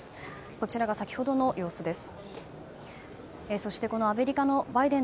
こちらが先ほどの様子です。